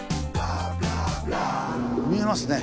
見えますね。